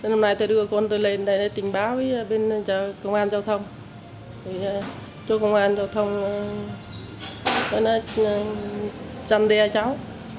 hôm nay tôi đưa con tôi lên để tình báo với bên công an giao thông cho công an giao thông dân đe cháu